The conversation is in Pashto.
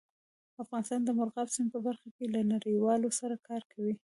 افغانستان د مورغاب سیند په برخه کې له نړیوالو سره کار کوي.